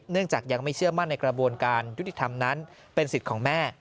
จากยังไม่เชื่อมั่นในกระบวนการยุติธรรมนั้นเป็นสิทธิ์ของแม่